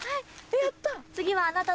やった。